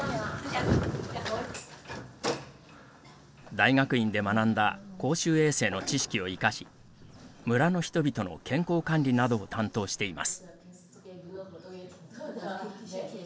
大学院で学んだ公衆衛生の知識を生かし村の人々の健康管理などを担当しています。